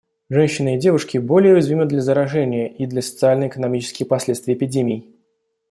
Женщины и девушки более уязвимы для заражения и для социально-экономических последствий эпидемии.